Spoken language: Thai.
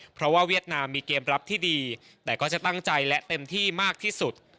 เพราะว่าเวียดนามมีเกมรับที่ดีแต่ก็จะตั้งใจและเต็มที่มากที่สุด